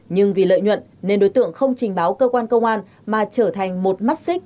nhưng vì lợi nhuận nên đối tượng không trình báo cơ quan công an mà trở thành một mắt xích